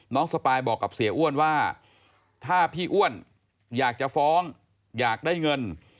สปายบอกกับเสียอ้วนว่าถ้าพี่อ้วนอยากจะฟ้องอยากได้เงิน